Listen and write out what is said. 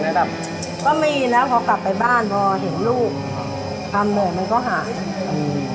แล้วแบบก็มีนะเขากลับไปบ้านพอเห็นลูกอ่าความเหนื่อยมันก็หาอืม